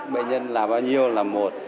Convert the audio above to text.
bệnh nhân là bao nhiêu là một